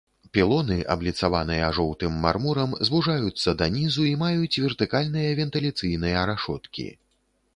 Пілоны абліцаваныя жоўтым мармурам, звужаюцца да нізу і маюць вертыкальныя вентыляцыйныя рашоткі.